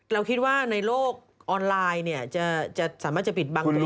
เราคิดว่าในโลกออนไลน์จะสามารถจะปิดบังตัวเอง